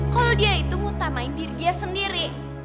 kalau dia itu ngutamain diri dia sendiri